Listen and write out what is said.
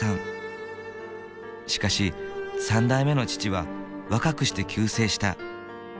しかし三代目の父は若くして急逝した。